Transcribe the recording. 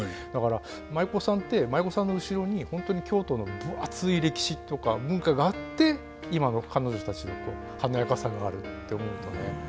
だから舞妓さんって舞妓さんの後ろに本当に京都の分厚い歴史とか文化があって今の彼女たちの華やかさがあるって思うとね